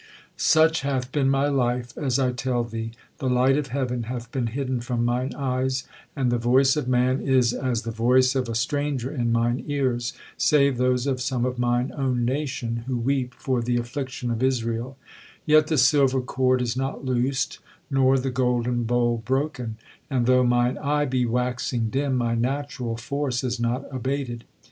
Such hath been my life, as I tell thee. The light of heaven hath been hidden from mine eyes, and the voice of man is as the voice of a stranger in mine ears, save those of some of mine own nation, who weep for the affliction of Israel; yet the silver cord is not loosed, nor the golden bowl broken; and though mine eye be waxing dim, my natural force is not abated.'